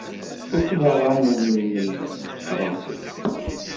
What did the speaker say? Tfukeḍ aɣanen-nnem n tefṛensist?